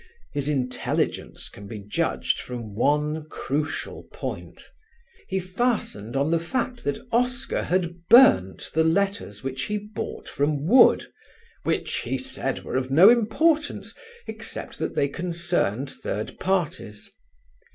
His intelligence can be judged from one crucial point: he fastened on the fact that Oscar had burnt the letters which he bought from Wood, which he said were of no importance, except that they concerned third parties.